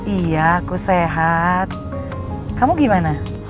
iya aku sehat kamu gimana